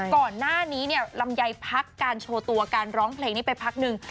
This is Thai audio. ก่อนหน้านี้เนี่ยลำไยพักการโชว์ตัวการร้องเพลงนี้ไปพักหนึ่ง